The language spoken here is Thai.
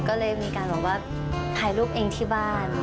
ก็เลยมีการบอกว่าถ่ายรูปเองที่บ้าน